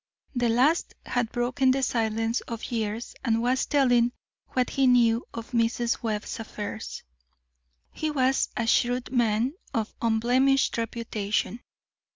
The last had broken the silence of years, and was telling what he knew of Mrs. Webb's affairs. He was a shrewd man, of unblemished reputation.